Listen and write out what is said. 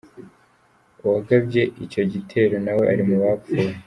Uwagabye icyo gitero nawe ari mu bapfuye.